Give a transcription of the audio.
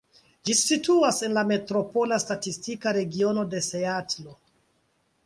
Ĝi situas en la metropola statistika regiono de Seatlo.